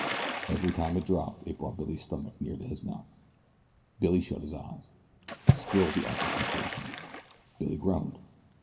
Every time it dropped it brought Billy's stomach nearly to his mouth. Billy shut his eyes. Still the awful sensation. Billy groaned.